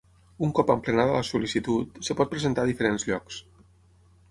Un cop emplenada la sol·licitud, es pot presentar a diferents llocs.